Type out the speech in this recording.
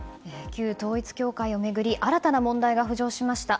旧統一教会を巡り新たな問題が浮上しました。